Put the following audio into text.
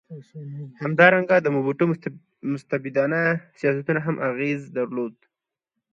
همدارنګه د موبوټو مستبدانه سیاستونو هم اغېز درلود.